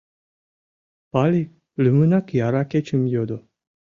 Пали лӱмынак яра кечым йодо.